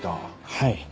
はい。